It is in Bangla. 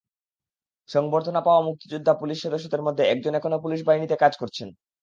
সংবর্ধনা পাওয়া মুক্তিযোদ্ধা পুলিশ সদস্যদের মধ্যে একজন এখনো পুলিশ বাহিনীতে কাজ করছেন।